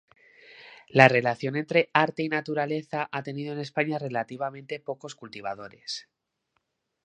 La relación entre arte y naturaleza ha tenido en España relativamente pocos cultivadores.